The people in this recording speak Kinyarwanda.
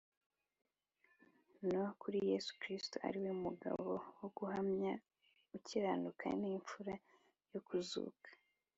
no kuri Yesu Kristo, ari we mugabo wo guhamya ukiranuka n’imfura yo kuzuka,